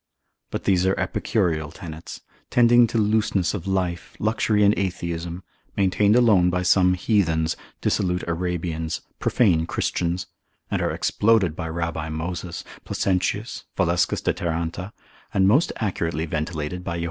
But these are epicureal tenets, tending to looseness of life, luxury and atheism, maintained alone by some heathens, dissolute Arabians, profane Christians, and are exploded by Rabbi Moses, tract. 4. Guliel, Placentius, lib. 1. cap. 8. Valescus de Taranta, and most accurately ventilated by Jo.